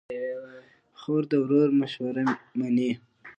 خور د ورور مشوره منې.